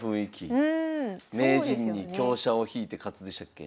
「名人に香車を引いて勝つ」でしたっけ？